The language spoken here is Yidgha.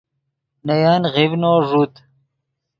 نے ین غیڤنو ݱوت